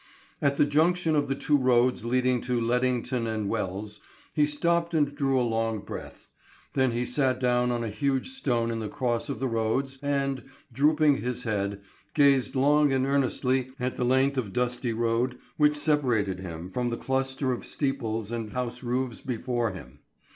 At the junction of the two roads leading to Leadington and Wells, he stopped and drew a long breath. Then he sat down on a huge stone in the cross of the roads and, drooping his head, gazed long and earnestly at the length of dusty road which separated him from the cluster of steeples and house roofs before him.